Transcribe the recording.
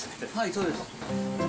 そうです。